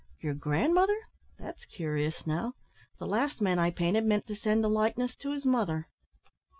"Your grandmother! that's curious, now; the last man I painted meant to send the likeness to his mother."